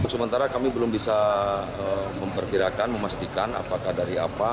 sementara kami belum bisa memperkirakan memastikan apakah dari apa